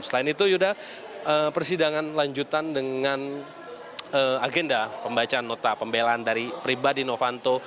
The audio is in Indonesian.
selain itu yuda persidangan lanjutan dengan agenda pembacaan nota pembelaan dari pribadi novanto